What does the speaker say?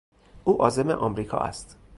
او عازم امریکا است.